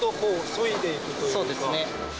そいでいくというか。